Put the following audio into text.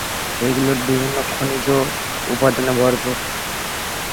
এগুলোয় বিভিন্ন খনিজ উপাদানে ভরপুর।